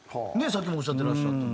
さっきもおっしゃっていらっしゃった。